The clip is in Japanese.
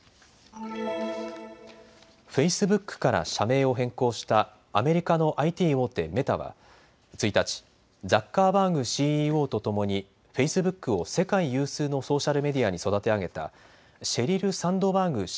フェイスブックから社名を変更したアメリカのＩＴ大手、メタは１日、ザッカーバーグＣＥＯと共にフェイスブックを世界有数のソーシャルメディアに育て上げたシェリル・サンドバーグ